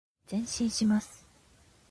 前進します。